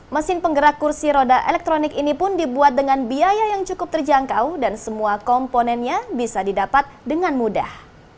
mesin penggerak kursi roda elektronik ini pun dibuat dengan biaya yang cukup terjangkau dan semua komponennya bisa didapat dengan mudah